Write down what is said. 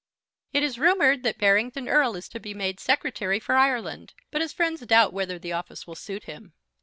It is rumoured that Barrington Erle is to be made Secretary for Ireland, but his friends doubt whether the office will suit him.